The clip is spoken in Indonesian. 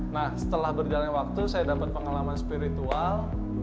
nah setelah berjalannya waktu saya dapat pengalaman spiritual